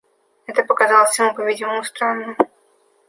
Это показалось ему, по-видимому, странным.